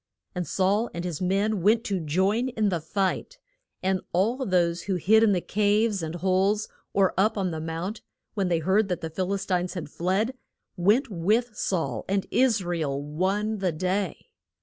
And Saul and his men went to join in the fight. And all those who had hid in caves and holes, or up on the mount, when they heard that the Phil is tines had fled, went with Saul, and Is ra el won the day.